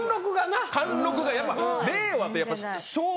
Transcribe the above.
貫禄がやっぱ令和ってやっぱ。